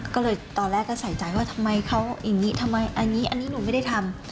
ก็เลยตอนแรกก็ใส่ใจว่าทำไมเขาอย่างนี้ทำไมอันนี้อันนี้หนูไม่ได้ทำ